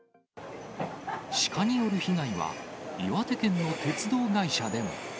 シカによる被害は、岩手県の鉄道会社でも。